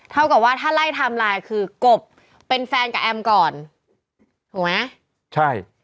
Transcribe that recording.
เท่ากับว่าถ้าไล่ไทม์ไลน์คือกบเป็นแฟนกับแอมก่อนถูกไหมใช่